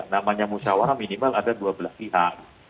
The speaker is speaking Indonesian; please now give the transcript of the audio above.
namanya musawara minimal ada dua belas pihak